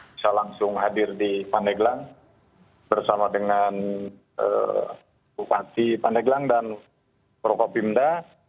bisa langsung hadir di pandeglang bersama dengan bupati pandeglang dan prokopimda